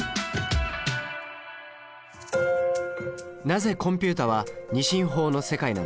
なぜコンピュータは２進法の世界なのか。